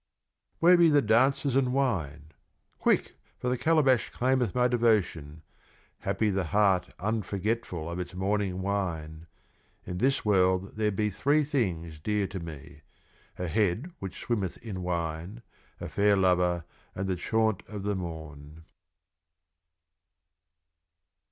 {^^3) Where be the Dancers and Wine 1 Quick ! for the Calabash claimeth my Devotion. Hap pytheHeart unforgetfulof its morning Wine. In this World there be three Things dear to me ; an Head which swimmeth in Wine, a fair Lover, and the Chaunt of the Morn.